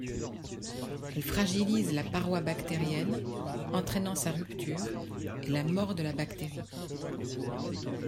Elle fragilise la paroi bactérienne, entraînant sa rupture et la mort de la bactérie.